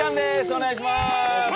お願いします。